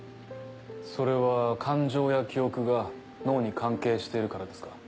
それは感情や記憶が脳に関係しているからですか？